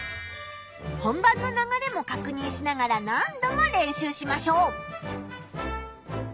本番の流れもかくにんしながら何度も練習しましょう！